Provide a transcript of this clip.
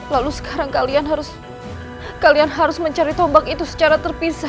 lalu sekarang kalian harus mencari tombak itu secara terpisah